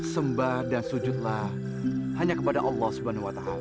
sembah dan sujudlah hanya kepada allah swt